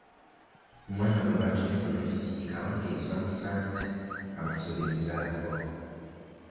Omwana gwe baatumye ku luzzi ekawungeezi baamusanze bamusobezaako.